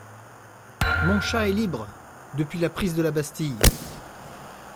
Mon chat est libre… depuis la prise de la Bastille !